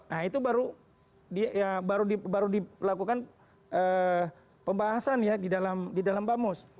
nah itu baru dilakukan pembahasan ya di dalam bamus